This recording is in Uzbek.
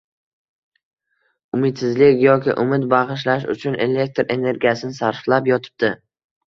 Umidsizlik yoki umid bagʻishlash uchun elektr energiyasini sarflab yotibdi